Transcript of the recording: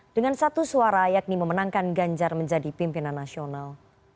dengan satu suara yakni memenangkan ganjar menjadi pimpinan nasional